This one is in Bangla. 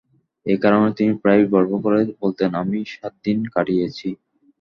একারণে তিনি প্রায়ই গর্ব করে বলতেন, আমি সাত দিন কাটিয়েছি।